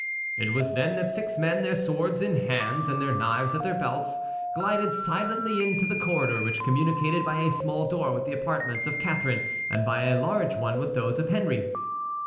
It was then that six men, their swords in their hands and their knives at their belts, glided silently into the corridor which communicated by a small door with the apartments of Catharine and by a large one with those of Henry.